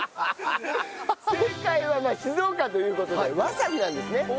正解は静岡という事でわさびなんですね。